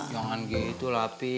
jangan gitu lah pi